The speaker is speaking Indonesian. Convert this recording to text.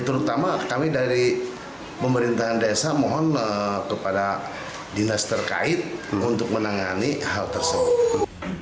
terutama kami dari pemerintahan desa mohon kepada dinas terkait untuk menangani hal tersebut